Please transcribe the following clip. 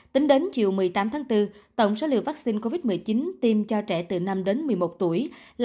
tính đến chiều một mươi tám bốn tổng số liều vaccine covid một mươi chín tiêm cho trẻ từ năm một mươi một tuổi